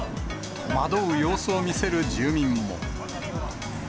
惑う様子を見せる住民も。